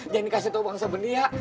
jangan kasih tau bang sabeni ya